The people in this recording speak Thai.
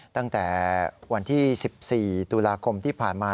ตั้งแต่วันที่๑๔ตุลาคมที่ผ่านมา